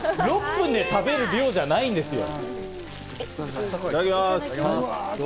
６分で食べる量じゃないんですよ。